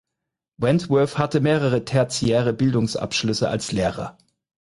Wentworth hatte mehrere tertiäre Bildungsabschlüsse als Lehrer.